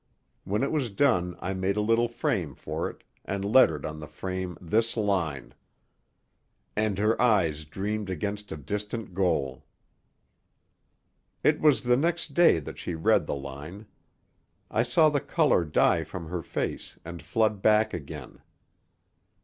When it was done I made a little frame for it, and lettered on the frame this line: "And her eyes dreamed against a distant goal." It was the next day that she read the line. I saw the color die from her face and flood back again.